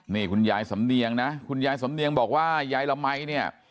นี่คุณยายสำเนียงนะคุณยายสำเนียงบอกว่ายายละมัยเนี่ย